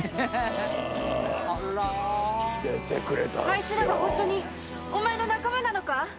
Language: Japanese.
あいつらは本当にお前の仲間なのか？